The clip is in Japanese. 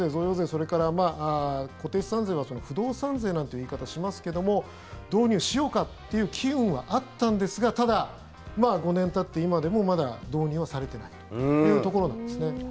それから固定資産税は不動産税なんていう言い方をしますけども導入しようかという機運はあったんですがただ、５年たった今でもまだ導入はされていないというところなんですね。